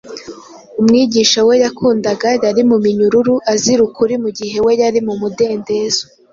Umwigisha we yakundaga yari mu minyururu azira ukuri mu gihe we yari mu mudendezo